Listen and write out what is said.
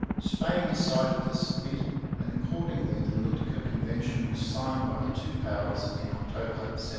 Spain decided to submit, and accordingly the Nootka Convention was signed by the two powers in October 1790.